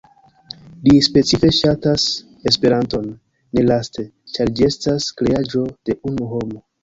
Li "specife ŝatas Esperanton", ne laste, ĉar ĝi estas kreaĵo de unu homo.